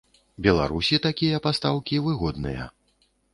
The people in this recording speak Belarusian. Беларусі такія пастаўкі выгодныя.